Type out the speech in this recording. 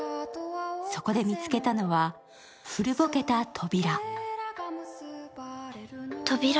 そこで見つけたのは古ぼけた扉。